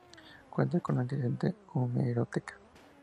Cuenta con una interesante hemeroteca.